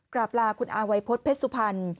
กราบลาคุณอาวัยพฤษเพชรสุพรรณ